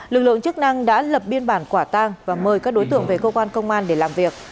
lực lượng chức năng đã lập biên bản quả tang và mời các đối tượng về cơ quan công an để làm việc